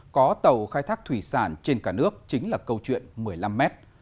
có tàu khai thác thủy sản trên cả nước chính là câu chuyện một mươi năm mét